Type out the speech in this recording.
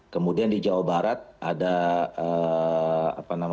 kemudian di jawa barat ada satu nama